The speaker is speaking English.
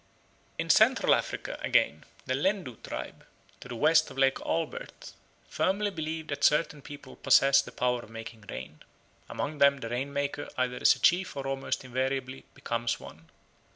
In Central Africa, again, the Lendu tribe, to the west of Lake Albert, firmly believe that certain people possess the power of making rain. Among them the rain maker either is a chief or almost invariably becomes one.